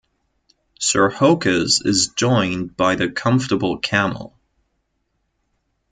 Sir Hokus is joined by the Comfortable Camel.